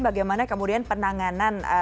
bagaimana kemudian penanganan